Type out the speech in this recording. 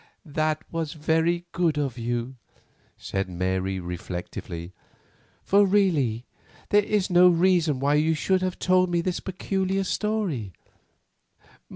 "That was very good of you," Mary said, reflectively, "for really there is no reason why you should have told me this peculiar story.